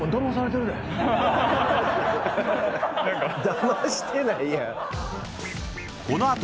だましてないやん。